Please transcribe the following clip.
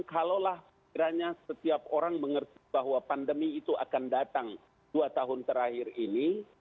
kalau lah kiranya setiap orang mengerti bahwa pandemi itu akan datang dua tahun terakhir ini